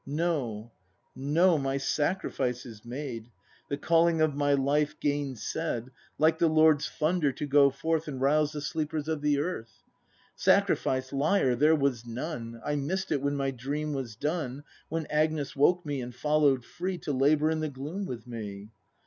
] No, no, my sacrifice is made. The calling of my life gainsaid — ACT III] BRAND 123 Like the Lord's thunder to go forth And rouse the sleepers of the earth. Sacrifice! Liar! there was none! I miss'd it when my Dream was done, When Agnes woke me — and follow'd free To labour in the gloom with me.